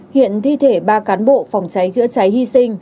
hiện thi thể ba cán bộ phòng cháy chữa cháy hy sinh